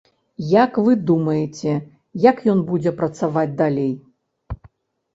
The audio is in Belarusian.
Як вы думаеце, як ён будзе працаваць далей?